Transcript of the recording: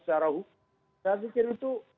secara hukum saya pikir itu